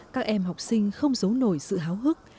các em học sinh không giấu nổi sự hào hứng